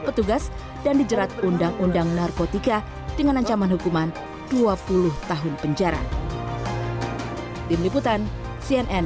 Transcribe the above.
petugas dan dijerat undang undang narkotika dengan ancaman hukuman dua puluh tahun penjara tim liputan cnn